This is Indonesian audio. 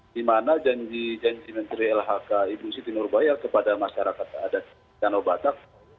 dimana janji menteri lhk ibu siti nurbayar kepada masyarakat adat jano batak